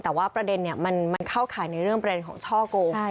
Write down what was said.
แต่ว่าประเด็นมันเข้าข่ายในเรื่องประเด็นของช่อโกง